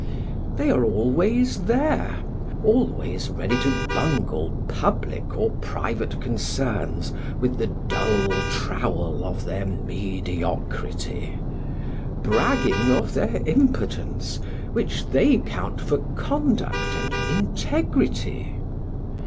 They are always there, always ready to bungle public or private concerns with the dull trowel of their mediocrity, bragging of their impotence, which they count for conduct and integrity.